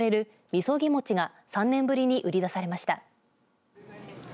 みそぎ餅が３年ぶりに売り出されました。